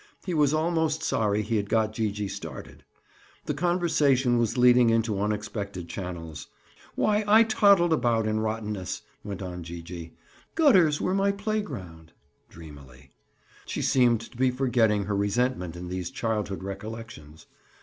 He was almost sorry he had got Gee gee started. The conversation was leading into unexpected channels. "Why, I toddled about in rottenness," went on Gee gee. "Gutters were my playground." Dreamily. She seemed to be forgetting her resentment in these childhood recollections.